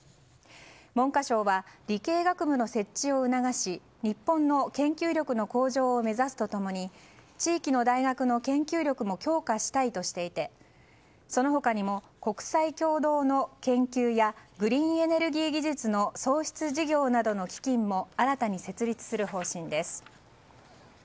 文科省は理系学部の設置を促し日本の研究力の向上を目指すと共に地域の大学の研究力も強化したいとしていてその他にも国際共同の研究やグリーンエネルギー技術の創出事業などの基金も新たに設立する方針です。